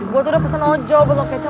gue tuh udah pesen ojo balok kecap